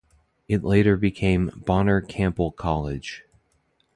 It later became Bonner-Campbell College.